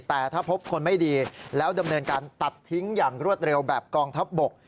แต่ถ้าพบคนไม่ดีแล้วดำเนินการตัดทิ้งอย่างรวดเร็วแบบกองทัพบก